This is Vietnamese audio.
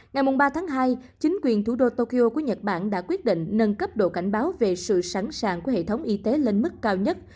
ngày ba tháng hai chính quyền thủ đô tokyo của nhật bản đã quyết định nâng cấp độ cảnh báo về sự sẵn sàng của hệ thống y tế lên mức cao nhất